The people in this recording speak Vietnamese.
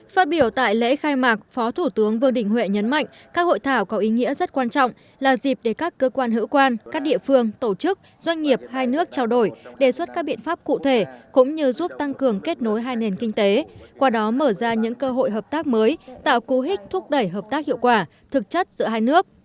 phát biểu tại lễ khai mạc phó thủ tướng vương đình huệ nhấn mạnh các hội thảo có ý nghĩa rất quan trọng là dịp để các cơ quan hữu quan các địa phương tổ chức doanh nghiệp hai nước trao đổi đề xuất các biện pháp cụ thể cũng như giúp tăng cường kết nối hai nền kinh tế qua đó mở ra những cơ hội hợp tác mới tạo cú hích thúc đẩy hợp tác hiệu quả thực chất giữa hai nước